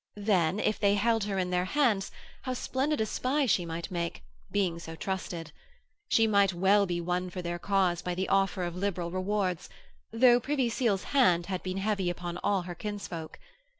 Then, if they held her in their hands, how splendid a spy she might make, being so trusted! She might well be won for their cause by the offer of liberal rewards, though Privy Seal's hand had been heavy upon all her kinsfolk.